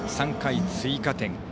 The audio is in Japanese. ３回、追加点。